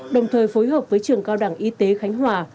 đồng thời phối hợp với trường cao đẳng y tế khánh hòa